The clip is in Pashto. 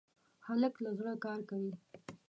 هلک له زړه کار کوي.